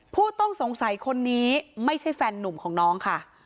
ผู้ต้องสงสัยคนนี้ไม่ใช่แฟนนุ่มของน้องค่ะ